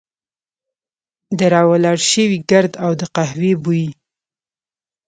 د را ولاړ شوي ګرد او د قهوې بوی.